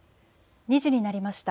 ２時になりました。